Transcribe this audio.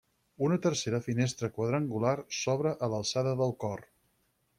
Una tercera finestra, quadrangular, s'obre a l'alçada del cor.